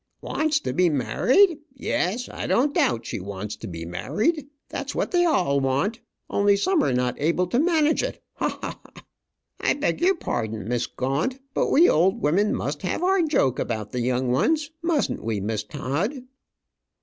"Wants to be married. Yes, I don't doubt she wants to be married. That's what they all want, only some are not able to manage it. Ha! ha! ha! I beg your pardon, Miss Gaunt; but we old women must have our joke about the young ones; mustn't we, Miss Todd?"